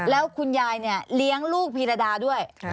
แล้วคุณยายเนี่ยเลี้ยงลูกพีรดาด้วย